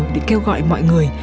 để kêu gọi mọi người